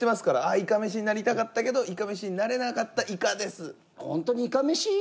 いかめしになりたかったけどいかめしになれなかったイカです。